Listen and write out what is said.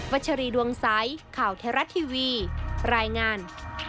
วัชรีดวงซ้ายข่าวแทรศ์ทีวีรายงาน